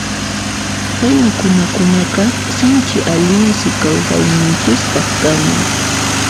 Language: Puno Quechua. Kay mikhunakunaqa sinchi allinsi kawsayninchispaq kanman.